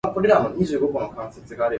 看天食飯